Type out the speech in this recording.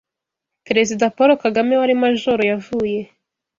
Perezida Paul Kagame wari Majoro yavuye